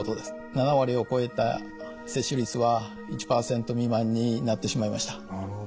７割を超えた接種率は１％未満になってしまいました。